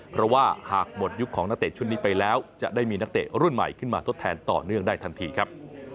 เพราะว่าหากหมดยุคของนักเตะชุดนี้ไปแล้วจะได้มีนักเตะรุ่นใหม่ขึ้นมาทดแทนต่อเนื่องได้ทันทีครับ